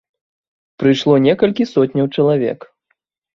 Прыйшло некалькі сотняў чалавек.